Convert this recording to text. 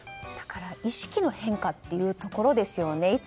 だから意識の変化というところですよね。